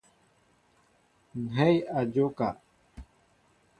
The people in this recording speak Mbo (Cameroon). Ŋhɛy a njóka.